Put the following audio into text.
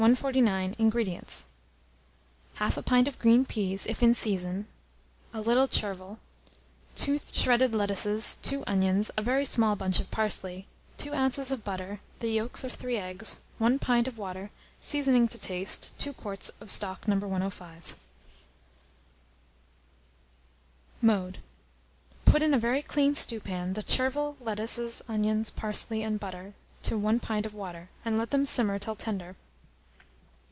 INGREDIENTS. 1/2 a pint of green peas, if in season, a little chervil, 2 shredded lettuces, 2 onions, a very small bunch of parsley, 2 oz. of butter, the yolks of 3 eggs, 1 pint of water, seasoning to taste, 2 quarts of stock No. 105. Mode. Put in a very clean stewpan the chervil, lettuces, onions, parsley, and butter, to 1 pint of water, and let them simmer till tender.